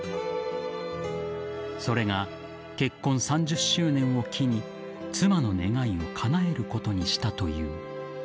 それが結婚３０周年を機に妻の願いをかなえることにしたという。